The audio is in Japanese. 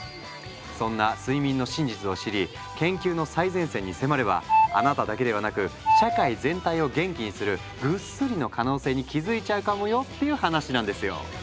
そんな睡眠の真実を知り研究の最前線に迫ればあなただけではなく社会全体を元気にするグッスリの可能性に気付いちゃうかもよっていう話なんですよ。